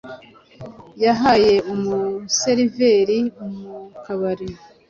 Yabaye umuseriveri mu kabari